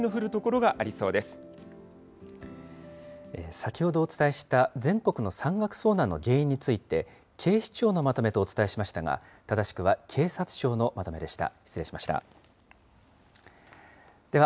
先ほどお伝えした、全国の山岳遭難の原因について、警視庁のまとめとお伝えしましたが、正しくは警察庁のまとめでした。